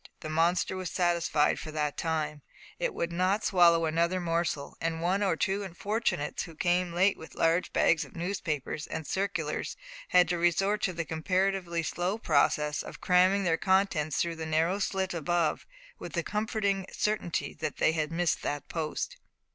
The monster was satisfied for that time; it would not swallow another morsel, and one or two unfortunates who came late with large bags of newspapers and circulars had to resort to the comparatively slow process of cramming their contents through the narrow slit above, with the comforting certainty that they had missed that post.